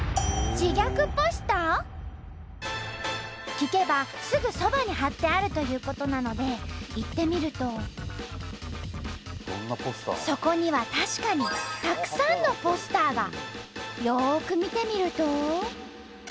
聞けばすぐそばに貼ってあるということなので行ってみるとそこには確かによく見てみると。